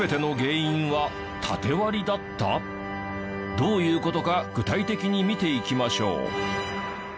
どういう事か具体的に見ていきましょう。